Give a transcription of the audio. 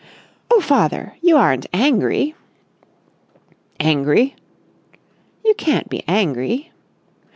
"Oh, father! You aren't angry!" "Angry!" "You can't be angry!"